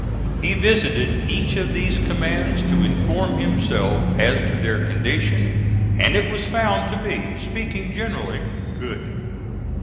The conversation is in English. He visited each of these commands to inform himself as to their condition, and it was found to be, speaking generally, good.